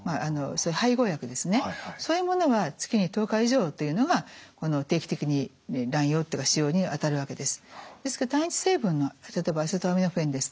そういう配合薬ですねそういうものが月に１０日以上というのがこの定期的に乱用というか使用にあたるわけです。